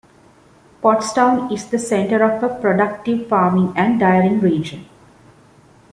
Pottstown is the center of a productive farming and dairying region.